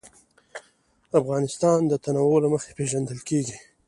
افغانستان د تنوع له مخې پېژندل کېږي.